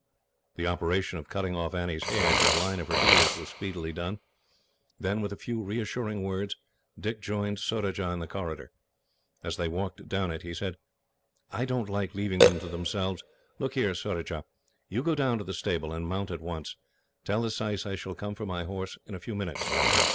The operation of cutting off Annie's hair, to the line of her ears, was speedily done; then, with a few reassuring words, Dick joined Surajah in the corridor. As they walked down it he said: "I don't like leaving them to themselves. Look here, Surajah, you go down to the stable, and mount at once. Tell the syce I shall come for my horse in a few minutes.